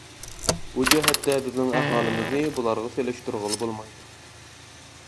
بۇ جەھەتتە بىزنىڭ ئەھۋالىمىزنى بۇلارغا سېلىشتۇرغىلى بولمايدۇ.